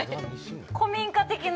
古民家的な。